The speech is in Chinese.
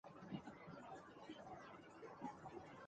标会至此结束。